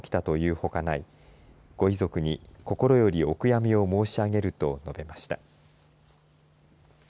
ご遺族に心よりお悔みを申し上げると述べました。